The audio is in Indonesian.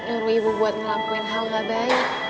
nyuruh ibu buat ngelakuin hal gak baik